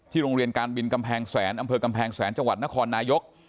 โรงเรียนการบินกำแพงแสนอำเภอกำแพงแสนจังหวัดนครนายก